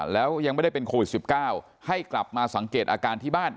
แล้วยังไม่ได้เป็นโควิด๑๙ให้กลับมาสังเกตอาการที่บ้าน